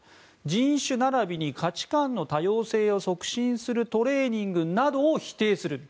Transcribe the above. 人種並びに価値観の多様性を促進するトレーニングなどを否定する。